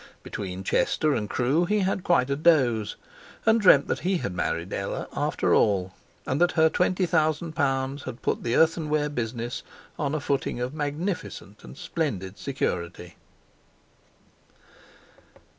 Between Chester and Crewe he had quite a doze, and dreamed that he had married Ella after all, and that her twenty thousand pounds had put the earthenware business on a footing of magnificent and splendid security.